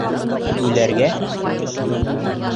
Түләргә?